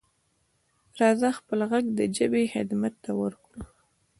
راځه خپل غږ د ژبې خدمت ته ورکړو.